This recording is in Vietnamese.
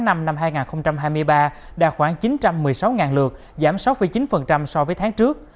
việt nam trong tháng năm năm hai nghìn hai mươi ba đã khoảng chín trăm một mươi sáu lượt giảm sáu chín so với tháng trước